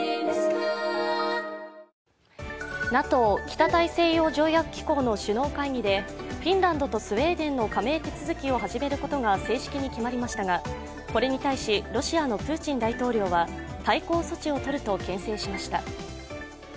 ＮＡＴＯ＝北大西洋条約機構の首脳会議でフィンランドとスウェーデンの加盟手続きを始めることが正式に決まりましたが、これに対しロシアのプーチン大統領は対抗措置を取るとけん制しました。